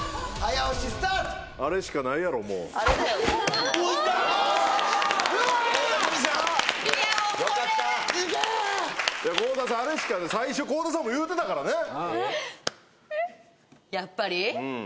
あれしかね最初倖田さんも言うてたからねやっぱり？